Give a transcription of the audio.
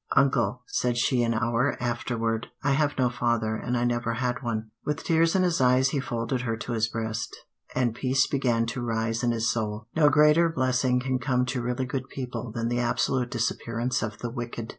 "Uncle," said she an hour afterward, "I have no father, and I never had one." With tears in his eyes he folded her to his breast, and peace began to rise in his soul. No greater blessing can come to really good people than the absolute disappearance of the wicked.